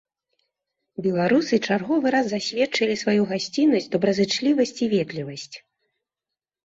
Беларусы чарговы раз засведчылі сваю гасціннасць, добразычлівасць і ветлівасць!